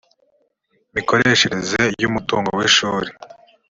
mikoreshereze y umutungo w ishuri